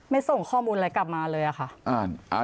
ส่งข้อมูลอะไรกลับมาเลยอะค่ะ